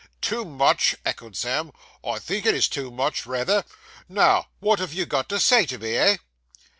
'Too much!' echoed Sam, 'I think it is too much rayther! Now, what have you got to say to me, eh?